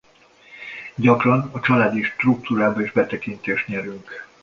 Gyakran a családi struktúrába is betekintést nyerünk.